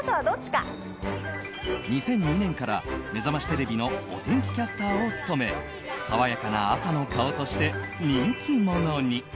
２００２年から「めざましテレビ」のお天気キャスターを務め爽やかな朝の顔として人気者に。